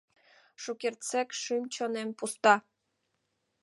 Шукертсек шӱм-чонем пуста.